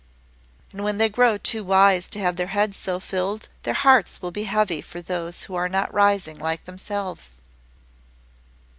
"And when they grow too wise to have their heads so filled, their hearts will be heavy for those who are not rising like themselves."